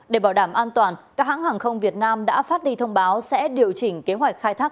để bảo đảm an toàn các hãng hàng không việt nam đã phát đi thông báo sẽ điều chỉnh kế hoạch khai thác